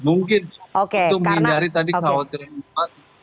mungkin itu menghindari tadi kawasan yang keempat